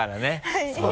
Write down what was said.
はい。